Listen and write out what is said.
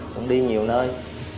cũng đi nhiều nơi